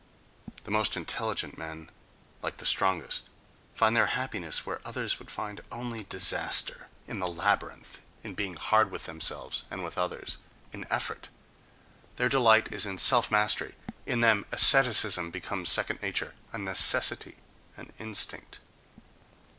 The most intelligent men, like the strongest, find their happiness where others would find only disaster: in the labyrinth, in being hard with themselves and with others, in effort; their delight is in self mastery; in them asceticism becomes second nature, a necessity, an instinct.